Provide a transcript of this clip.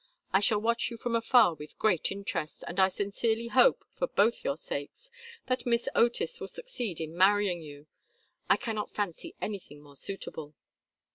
I shall watch you from afar with great interest, and I sincerely hope, for both your sakes, that Miss Otis will succeed in marrying you. I cannot fancy anything more suitable."